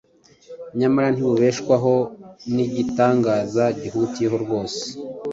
nyamara ntibubeshwaho n’igitangaza gihutiyeho rwose